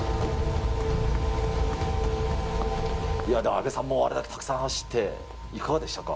阿部さんもあれだけたくさん走って、いかがでしたか。